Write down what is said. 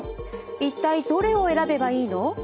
一体どれを選べばいいの？